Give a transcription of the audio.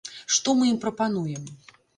Што мы ім прапануем?